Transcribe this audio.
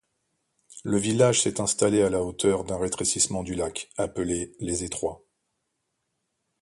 Le village s'est installé à la hauteur d'un rétrécissement du lac, appelé les Étroits.